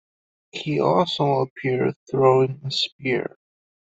He also appeared throwing a spear.